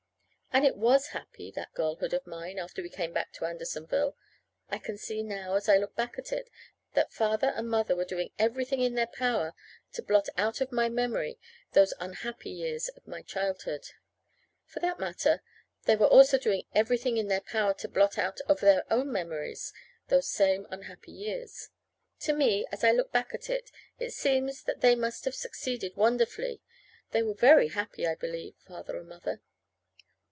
And it was happy that girlhood of mine, after we came back to Andersonville. I can see now, as I look back at it, that Father and Mother were doing everything in their power to blot out of my memory those unhappy years of my childhood. For that matter, they were also doing everything in their power to blot out of their own memories those same unhappy years. To me, as I look back at it, it seems that they must have succeeded wonderfully. They were very happy, I believe Father and Mother.